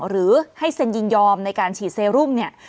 หรือให้เซ็นยินยอมในการฉีดเซรุมเนี่ย